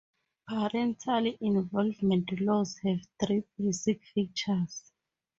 Parental involvement laws have three basic features.